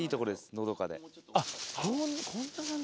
のどかで。